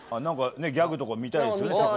何かギャグとか見たいですよね